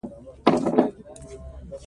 سرحدونه د افغانستان د اقتصاد برخه ده.